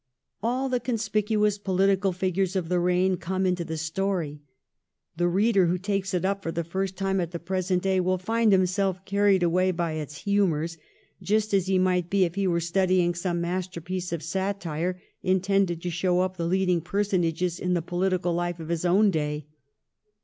All the conspicuous political figures of the reign come into the story. The reader who takes it up for the first time at the present day will find himself carried away by its humours, just as he might be if he were studying some masterpiece of satire intended to show up the leading personages in the political life of our own day.